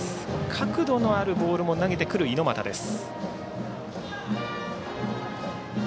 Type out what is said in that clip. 角度のあるボールも投げてくる猪俣です。